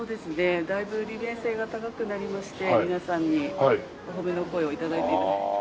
だいぶ利便性が高くなりまして皆さんにお褒めの声を頂いてる。